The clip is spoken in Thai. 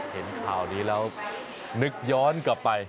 เห็นข่าวนี้แล้วนึกย้อนกลับไป